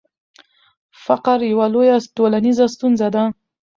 فقر یوه لویه ټولنیزه ستونزه ده.